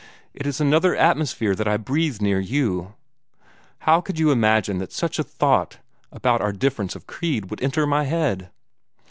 It is another atmosphere that I breathe near you. How could you imagine that such a thought about our difference of creed would enter my head?